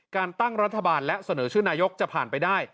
การตั้งรัฐบาลและเสนอชื่อนายกจะผ่านไปได้